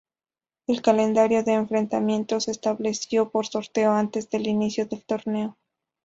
El calendario de enfrentamientos se estableció por sorteo antes del inicio del torneo.